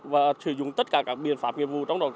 và sử dụng tất cả các biện pháp nghiệp vụ trong đó